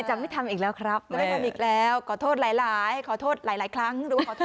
ไม่ได้ทำอีกแล้วขอโทษหลายขอโทษหลายครั้ง